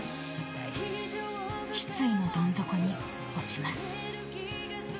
失意のどん底に落ちます。